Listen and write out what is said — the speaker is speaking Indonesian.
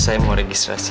saya mau registrasi